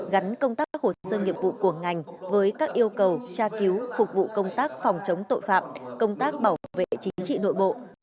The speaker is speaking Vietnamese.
gắn công tác hồ sơ nghiệp vụ của ngành với các yêu cầu tra cứu phục vụ công tác phòng chống tội phạm công tác bảo vệ chính trị nội bộ và công tác xây dựng